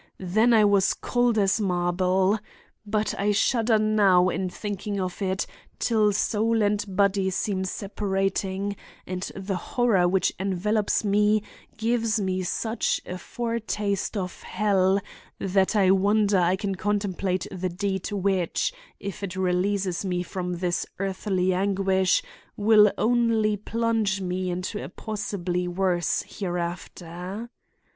Then I was cold as marble. But I shudder now in thinking of it till soul and body seem separating, and the horror which envelopes me gives me such a foretaste of hell that I wonder I can contemplate the deed which, if it releases me from this earthly anguish, will only plunge me into a possibly worse hereafter.